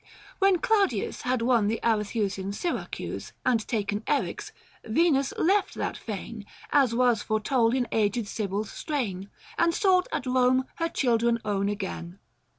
When Claudius Had won the Arethusan Syracuse 1015 And taken Eryx, Venus left that fane — As was foretold in aged Sibyl's strain — And sought at Kome her children own again.